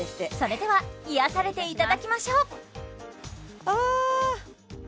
それでは癒やされていただきましょうあ